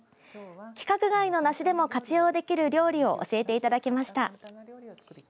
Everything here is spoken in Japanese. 規格外の梨でも活用できる料理を教えていただきました。